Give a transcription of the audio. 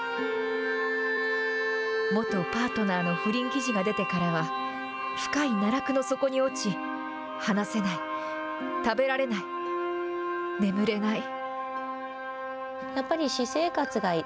元パートナーの不倫記事が出てからは、深い奈落の底に落ち、話せない、食べられない、眠れない。